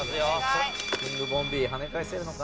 キングボンビー跳ね返せるのか？